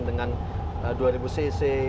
dengan dua ribu cc